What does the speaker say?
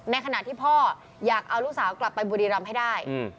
ในขณะที่พ่ออยากเอาลูกสาวกลับไปบุรีรำให้ได้